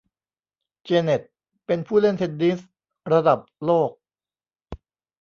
เจเน็ตเป็นผู้เล่นเทนนิสระดับโลก